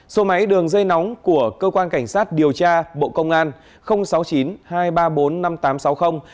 số máy đường dây nóng của cơ quan cảnh sát điều tra bộ công an